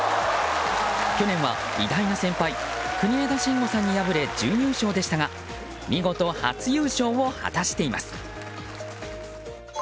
去年は、偉大な先輩国枝慎吾さんに敗れ準優勝でしたが見事、初優勝を果たしています。